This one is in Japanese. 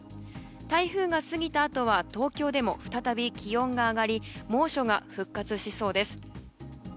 台風が過ぎたあとは東京でも再び気温が上がり猛暑が復活しそうです。